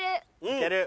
いける。